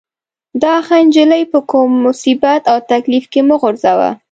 دا ښه نجلۍ په کوم مصیبت او تکلیف کې مه غورځوه.